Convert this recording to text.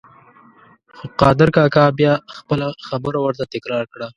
خو قادر کاکا بیا خپله خبره ورته تکرار کړه.